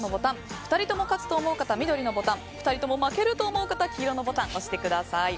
２人とも勝つと思う方は緑のボタンを２人とも負けると思う方黄色のボタンを押してください。